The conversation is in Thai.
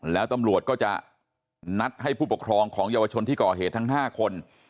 แล้วตำรวจก็จะนัดให้ผู้ปกครองของเยาวชนที่ก่อเหตุทั้ง๕คน